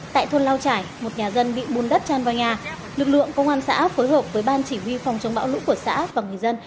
tại thôn lao trải một nhà dân bị bùn đất tràn vào nhà lực lượng công an xã phối hợp với ban chỉ huy phòng chống bão lũ của xã và người dân